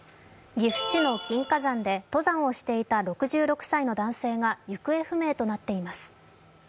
岐阜市の金華山で登山をしていた６６歳の男性が行方不明となっています。